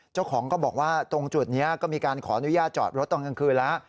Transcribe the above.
เจ้าของก็บอกว่าตรงจุดนี้ก็มีการขออนุญาตจอดรถตอนกลางคืนแล้ว